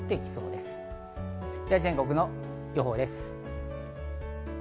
では全国の予報です。